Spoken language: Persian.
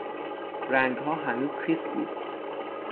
رنگها هنوز خیس بود.